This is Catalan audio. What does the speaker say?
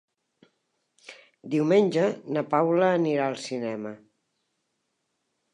Diumenge na Paula anirà al cinema.